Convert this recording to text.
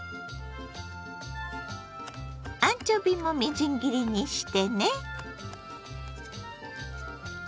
アンチョビもみじん切りにしてね。